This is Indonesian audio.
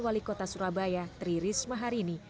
wali kota surabaya tri risma harini